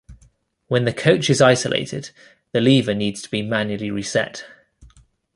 When the coach is isolated, the lever needs to be manually reset.